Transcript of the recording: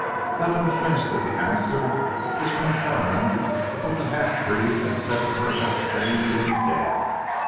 Helen flinched at the answer which confirmed what the half breed had said to her about Stane being dead.